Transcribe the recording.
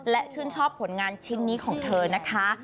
และชื่นชอบผลงานชิ้นนี้ของเธอนะคะ